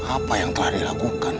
apa yang telah dilakukan